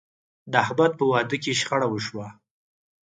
د احمد په واده کې شخړه وشوه.